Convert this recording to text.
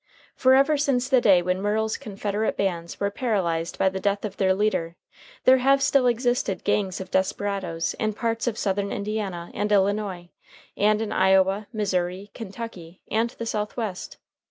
For ever since the day when Murrell's confederate bands were paralyzed by the death of their leader, there have still existed gangs of desperadoes in parts of Southern Indiana and Illinois, and in Iowa, Missouri, Kentucky, and the Southwest.